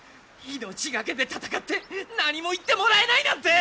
命懸けで戦って何も言ってもらえないなんて。